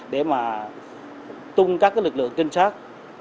để mà tung các lực lượng trinh sát